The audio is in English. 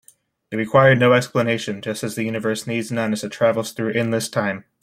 It required no explanation, just as the universe needs none as it travels through endless time.